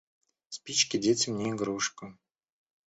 Спички детям не игрушка.